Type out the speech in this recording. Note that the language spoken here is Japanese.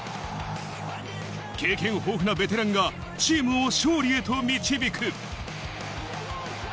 経験豊富なベテランがチームを勝利へと導く。